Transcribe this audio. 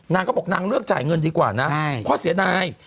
นางก็บอกนางเลือกจ่ายเงินดีกว่านะเพราะเสียนาย